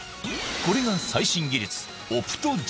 これが最新技術